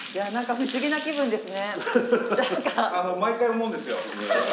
不思議な気分ですね。